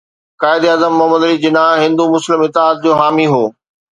قائداعظم محمد علي جناح هندو مسلم اتحاد جو حامي هو